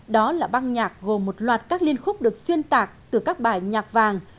đó là băng nhạc gồm một loạt các liên khúc được xuyên tạc từ các bài nhạc vàng